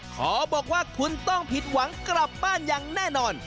ขอบอกว่าคุณต้องผิดหวังกลับบ้านอย่างแน่นอน